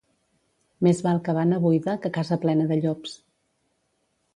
Més val cabana buida que casa plena de llops.